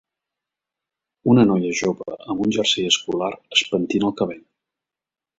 Una noia jove amb un jersei escolar es pentina el cabell.